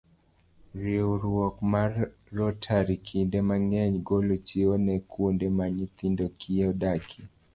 Riwruok mar Rotary kinde mang'eny golo chiwo ne kuonde ma nyithind kiye odakie.